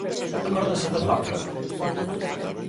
Acórdanse de Juanfran?